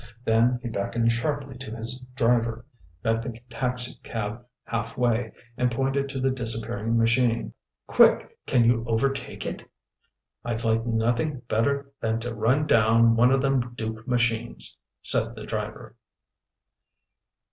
Then he beckoned sharply to his driver, met the taxicab half way, and pointed to the disappearing machine. "Quick! Can you overtake it?" "I'd like nothing better than to run down one o' them Dook machines!" said the driver.